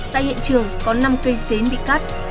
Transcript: tại hiện trường có năm cây xến bị cắt